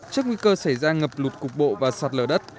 trước nguy cơ xảy ra ngập lụt cục bộ và sạt lở đất